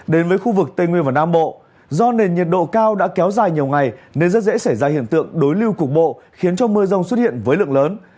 đến với khu vực tây nguyên và nam bộ do nền nhiệt độ cao đã kéo dài nhiều ngày nên rất dễ xảy ra hiện tượng đối lưu cục bộ khiến cho mưa rông xuất hiện với lượng lớn